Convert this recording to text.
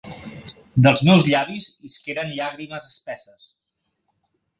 Dels meus llavis isqueren llàgrimes espesses.